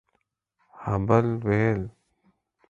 ها بل ويل